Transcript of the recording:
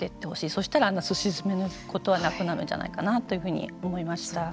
そしたら、すし詰めのことはなくなるんじゃないかなというふうに思いました。